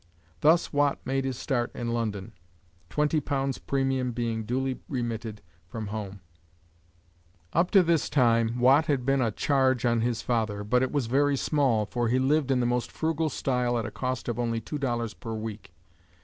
Thus Watt made his start in London, the twenty pounds premium being duly remitted from home. Up to this time, Watt had been a charge on his father, but it was very small, for he lived in the most frugal style at a cost of only two dollars per week.